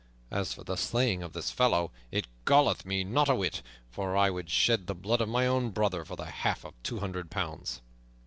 As for the slaying of this fellow, it galleth me not a whit, for I would shed the blood of my own brother for the half of two hundred pounds."